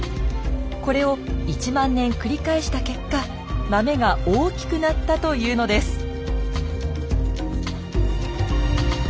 これを１万年繰り返した結果マメが大きくなったというのです。